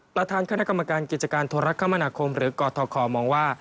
ประทานคณะกรรมการกิจการทรรัฐคมรันคมหรือก่อทธคลอมว่า